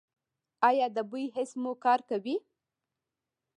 ایا د بوی حس مو کار کوي؟